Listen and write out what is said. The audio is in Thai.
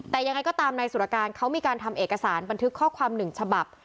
แต่ยังไงก็ตามนายสุรการเขามีการทำเอกสารบันทึกข้อความหนึ่งฉบับ